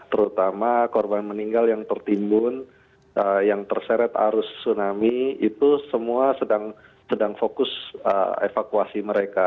terutama korban meninggal yang tertimbun yang terseret arus tsunami itu semua sedang fokus evakuasi mereka